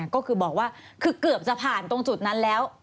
ก็คือบอกว่าคือเกือบจะผ่านตรงจุดนั้นแล้ว